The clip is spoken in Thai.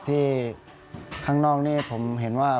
ข้างนอกนี้ผมเห็นว่า